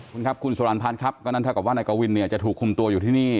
คุณครับคุณสวรรพันธ์ครับก็นั่นถ้าเกิดว่านายเกาวินจะถูกคุมตัวอยู่ที่นี่